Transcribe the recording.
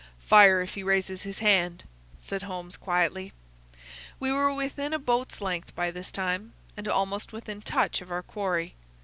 "Fire if he raises his hand," said Holmes, quietly. We were within a boat's length by this time, and almost within touch of our quarry.